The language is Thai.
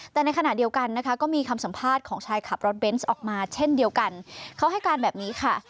แต่ในขณะเดียวกันนะคะก็มีคำสัมภาษณ์ของชายขับรถเบนส์ออกมาเช่นเดียวกันเขาให้การแบบนี้ค่ะ